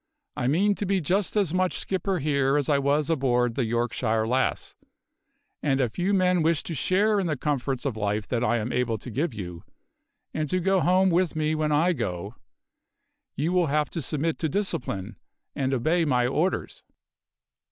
I mean to be just as much skipper here as I was aboard the Yorkshire Lass; and if you men wish to share in the comforts of life that I am able to give you, and to go home with me when I go, you will have to submit to discipline, and obey my orders."